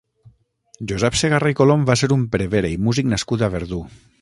Josep Segarra i Colom va ser un prevere i músic nascut a Verdú.